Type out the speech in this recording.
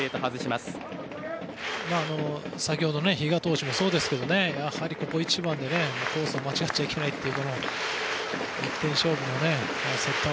先ほど比嘉投手もそうですけどやはりここ一番でコースを間違っちゃいけないというのが１点勝負のセット